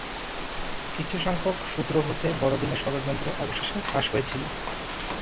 কিছু সংখ্যক সুত্র হতে বড়দিনের ষড়যন্ত্র অবশেষে ফাঁস হয়ে গিয়েছিল।